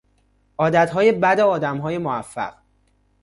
عادتهای بد آدمهای موفق